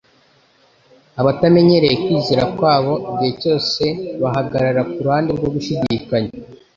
Abatamenyereza kwizera kwabo, igihe cyose bahagarara mu ruhande rwo gushidikanya.